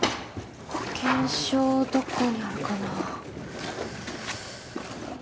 保険証どこにあるかな？